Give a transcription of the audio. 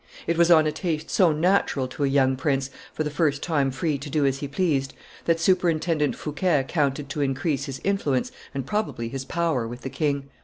It was on a taste so natural to a young prince, for the first time free to do as he pleased, that Superintendent Fouquet counted to increase his influence and probably his power with the king.